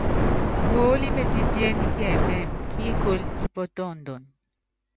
Puólí mépípiéne kiɛmɛ́mɛ, kíikólo ípɔ́tɔndɔnɔ.